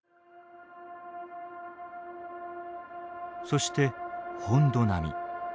そして「本土並み」。